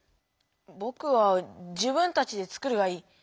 ぼくは「自分たちで作る」がいい。